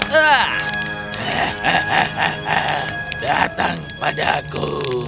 hahaha datang padaku